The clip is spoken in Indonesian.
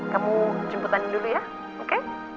kamu jemputan dulu ya oke